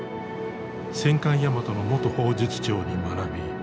戦艦大和の元砲術長に学び